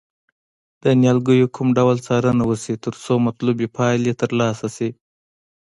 د نیالګیو کوم ډول څارنه وشي ترڅو مطلوبې پایلې ترلاسه شي.